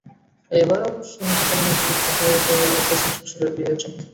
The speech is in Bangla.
এবার অবশ্য নিজের জন্য নয়, তিনি খবরে এসেছেন শ্বশুরের বিয়ের জন্য।